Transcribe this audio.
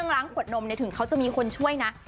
ล้างขวดนมถึงเขาจะมีคนช่วยนะ